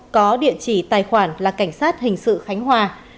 có địa chỉ tài khoản là cảnh sát hình sự khánh hòa